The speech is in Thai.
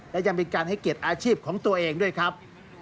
และยังเป็นการให้เกียรติอาชีพของตัวเองด้วยครับ